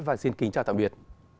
và xin kính chào tạm biệt